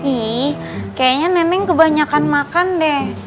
ih kayaknya neneng kebanyakan makan deh